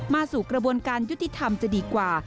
สู่กระบวนการยุติธรรมจะดีกว่า